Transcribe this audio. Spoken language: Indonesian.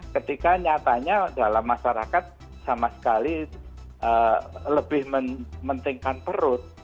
ketika nyatanya dalam masyarakat sama sekali lebih mementingkan perut